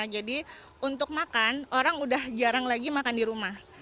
jadi untuk makan orang sudah jarang lagi makan di rumah